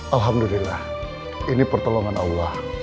alhamdulillah ini pertolongan allah